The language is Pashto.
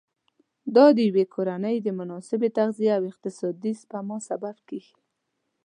دا د یوې کورنۍ د مناسبې تغذیې او اقتصادي سپما سبب کېږي.